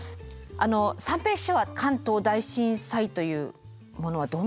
あの三平師匠は関東大震災というものはどんなイメージがおありですか？